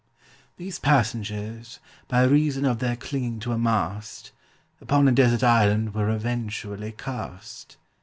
These passengers, by reason of their clinging to a mast, Upon a desert island were eventually cast.